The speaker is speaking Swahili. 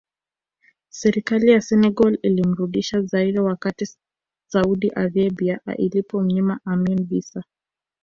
Serikali ya Senegal ilimrudisha Zaire wakati Saudi Arabia ilipomnyima Amin visa